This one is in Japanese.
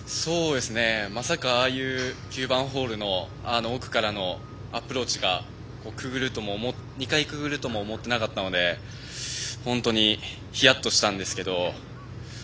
まさか９番ホールの奥からのアプローチが２回くぐるとも思っていなかったので本当にヒヤッとしたんですけど。